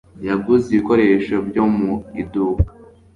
Yaguze ibikoresho byo mu iduka.